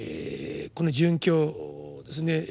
この殉教ですね